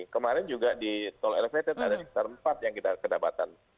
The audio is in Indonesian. kemarin juga di tol elevated ada sekitar empat yang kita kedapatan